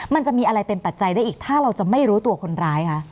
มันจะมีอะไรเป็นปัจจัยได้อีกถ้าเราจะไม่รู้ตัวคนร้ายคะ